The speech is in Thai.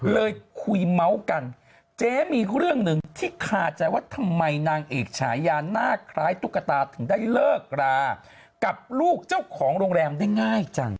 เลยคุยเมาส์กันเจ๊มีเรื่องหนึ่งที่คาใจว่าทำไมนางเอกฉายาหน้าคล้ายตุ๊กตาถึงได้เลิกรากับลูกเจ้าของโรงแรมได้ง่ายจัง